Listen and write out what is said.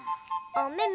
おめめ。